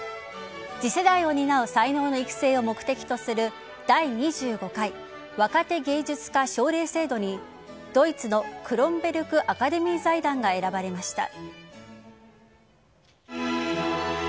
次世代を担う才能の育成を目的とする第２５回若手芸術家奨励制度にドイツのクロンベルク・アカデミー財団が選ばれました。